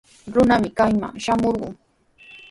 Runami kayman shamurqun.